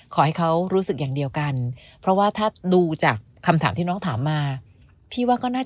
ขอให้เขารู้สึกอย่างเดียวกัน